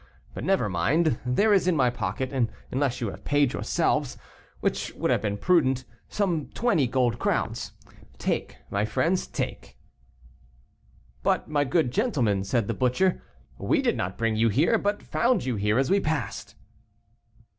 But never mind, there is in my pocket, unless you have paid yourselves, which would have been prudent, some twenty golden crowns; take, my friends, take." "But, my good gentleman," said the butcher, "we did not bring you here, but found you here as we passed."